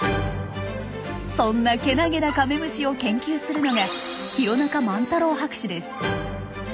そんなけなげなカメムシを研究するのが弘中満太郎博士です。